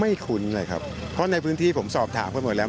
คุ้นเลยครับเพราะในพื้นที่ผมสอบถามกันหมดแล้ว